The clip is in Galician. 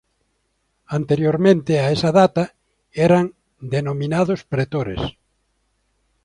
Anteriormente a esa data eran denominados "pretores".